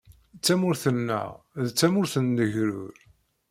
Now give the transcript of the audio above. Tamurt-nneɣ d tamurt n legrur.